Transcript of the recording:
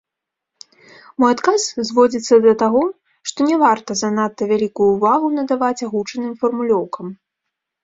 Мой адказ зводзіцца да таго, што не варта занадта вялікую ўвагу надаваць агучаным фармулёўкам.